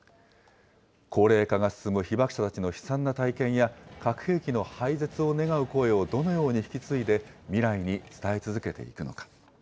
高齢化が進む被爆者たちの悲惨な体験や、核兵器の廃絶を願う声をどのように引き継いで未来へ伝え続けていくのか。